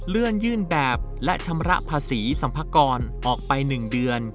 ยื่นแบบและชำระภาษีสัมภากรออกไป๑เดือน